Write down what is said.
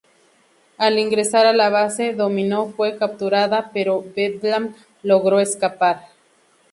Al ingresar a la base, Dominó fue capturada, pero Bedlam logró escapar.